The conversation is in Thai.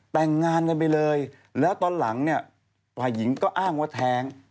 แต่งงานกันไปเลยแล้วตอนหลังเนี่ยฝ่ายหญิงก็อ้างว่าแท้ง